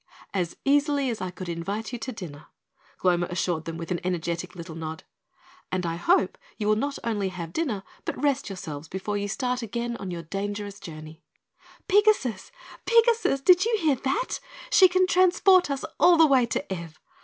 "As easily as I could invite you to dinner," Gloma assured them with an energetic little nod, "and I hope you will not only have dinner but rest yourselves before you start again on your dangerous journey." "Pigasus Pigasus, did you hear that? She can transport us all the way to Ev!